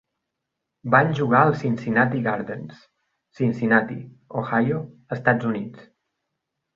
Van jugar als Cincinnati Gardens, Cincinnati, Ohio, Estats Units.